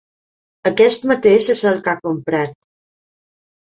Aquest mateix és el que ha comprat.